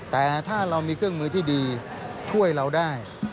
แต่ถ้าเรามีเครื่องมือที่ดีช่วยเราได้